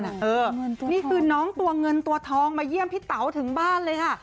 นี่คือน้องตัวเงินตัวทองมาเยี่ยมพี่เต๋าถึงบ้านเลยค่ะ